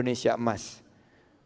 putih itu adalah susu